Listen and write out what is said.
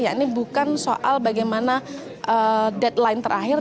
ya ini bukan soal bagaimana deadline terakhir